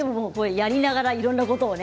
やりながらいろんなことをね。